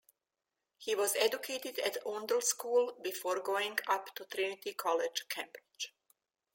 He was educated at Oundle School before going up to Trinity College, Cambridge.